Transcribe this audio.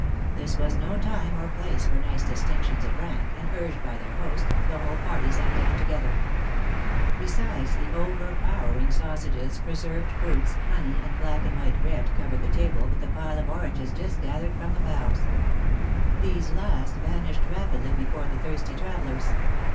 This was no time or place for nice distinctions of rank, and, urged by their host, the whole party sat down together. Besides the overpowering sausages, preserved fruits, honey, and black and white bread covered the table, with a pile of oranges just gathered from the boughs. These last vanished rapidly before the thirsty travelers.